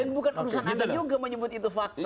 bukan urusan anda juga menyebut itu fakta